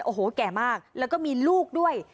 โอ้โหแก่มากแล้วก็มีลูกด้วย